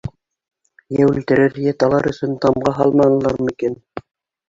Йә үлтерер, йә талар өсөн тамға һалманылармы икән?